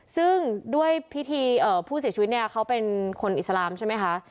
ซึ่งด้วยพิธีผู้เสียชีวิตเนี่ยเขาเป็นคนอิสลามใช่ไหมคะ